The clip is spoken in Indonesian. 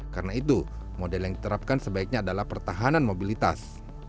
karena itu model yang diterapkan sebaiknya adalah pertahanan mobilitas